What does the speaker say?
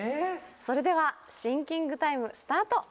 それではシンキングタイムスタート！